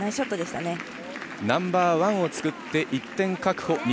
ナンバーワンを作って１点確保。